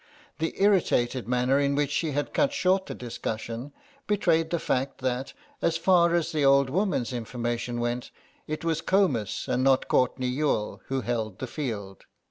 The irritated manner in which she had cut short the discussion betrayed the fact, that, as far as the old woman's information went, it was Comus and not Courtenay Youghal who held the field.